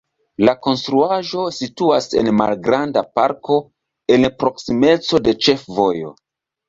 La konstruaĵo situas en malgranda parko en proksimeco de ĉefvojo.